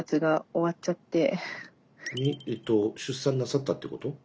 えっと出産なさったってこと？